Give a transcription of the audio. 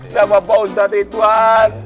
sama pak ustadz ituan